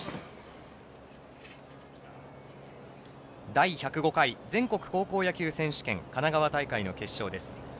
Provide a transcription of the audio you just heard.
第１０５回全国高校野球選手権神奈川大会の決勝です。